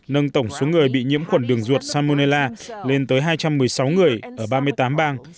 nâng tổng số người bị nhiễm khuẩn đường ruột samonella lên tới hai trăm một mươi sáu người ở ba mươi tám bang